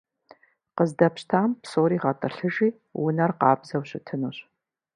Къыздэпщтам псори гъэтӏылъыжи, унэр къабзэу щытынущ.